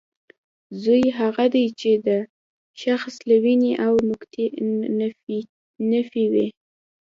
زوی هغه دی چې د شخص له وینې او نطفې وي